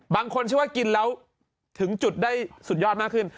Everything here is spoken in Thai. เชื่อว่ากินแล้วถึงจุดได้สุดยอดมากขึ้น